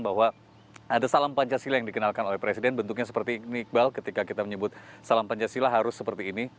bahwa ada salam pancasila yang dikenalkan oleh presiden bentuknya seperti ini iqbal ketika kita menyebut salam pancasila harus seperti ini